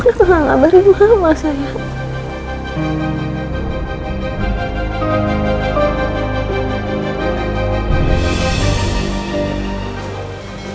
kamu kenapa gak beri mama sayang